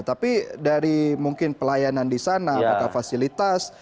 tapi dari mungkin pelayanan di sana apakah fasilitas